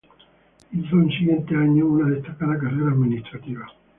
Hizo en siguientes años una destacada carrera administrativa.